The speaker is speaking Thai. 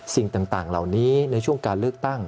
สิ่งต่างเหล่านี้ในช่วงการเลือกตั้ง